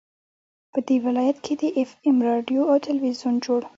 په دې ولايت كې د اېف اېم راډيو او ټېلوېزون جوړ